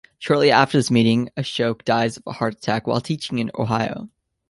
Shortly after this meeting, Ashoke dies of a heart attack while teaching in Ohio.